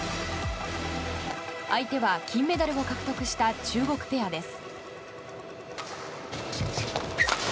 相手は金メダルを獲得した中国ペアです。